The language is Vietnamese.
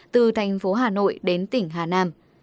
từ thành phố hà nội đến tỉnh hà nam